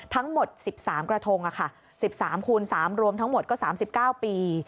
ทั้งหมด๑๓กระทง๑๓คูณ๓รวมทั้งหมดก็๓๙ปี